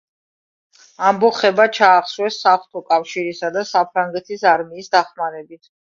ამბოხება ჩაახშეს საღვთო კავშირისა და საფრანგეთის არმიის დახმარებით.